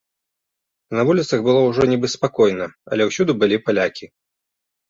На вуліцах было ўжо нібы спакойна, але ўсюды былі палякі.